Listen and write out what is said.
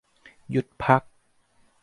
หยุดพัก